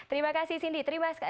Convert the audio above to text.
terima kasih cindy terima kasih